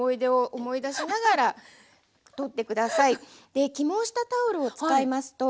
で起毛したタオルを使いますと。